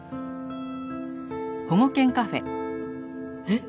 えっ？